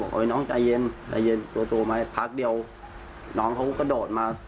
บอกเฮ้ยน้องใจเย็นตัวมั้ยพักเดียวน้องเขาก็โดดมา